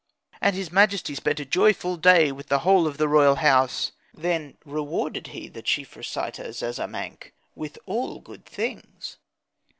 And his majesty spent a joyful day with the whole of the royal house. Then rewarded he the chief reciter Zazamankh with all good things.